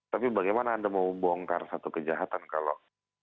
tapi bagaimana anda mau bongkar satu kejahatan kalau